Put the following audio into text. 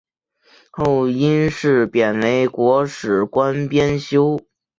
后因事贬为国史馆编修。